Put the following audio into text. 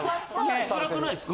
・つらくないですか？